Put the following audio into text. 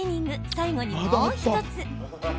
最後に、もう１つ。